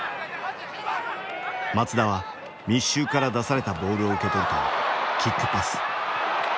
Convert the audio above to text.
松田は密集から出されたボールを受け取るとキックパス。